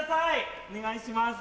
お願いします。